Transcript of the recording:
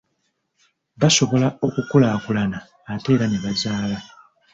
Basobola okukulaakulana ate era nebazaala.